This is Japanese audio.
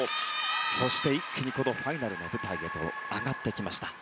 そして、一気にファイナルの舞台へと上がってきました。